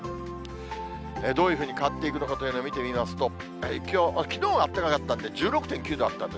どういうふうに変わっていくのかというのを見てみますと、きのうはあったかかったんで、１６．９度あったんです。